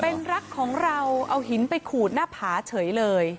เป็นรักของเราเอาหินไปขูดหน้าผาเฉยเลย